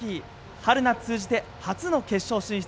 春夏通じて初の決勝進出